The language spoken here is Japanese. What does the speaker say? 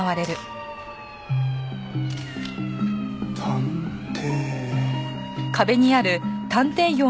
探偵。